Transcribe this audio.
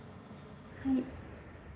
はい。